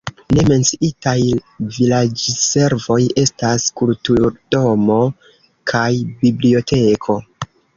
Ne menciitaj vilaĝservoj estas kulturdomo kaj biblioteko.